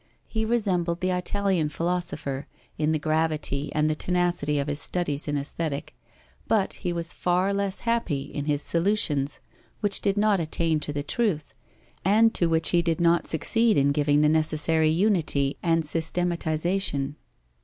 He resembled the Italian philosopher, in the gravity and the tenacity of his studies in Aesthetic, but he was far less happy in his solutions, which did not attain to the truth, and to which he did not succeed in giving the necessary unity and systematization.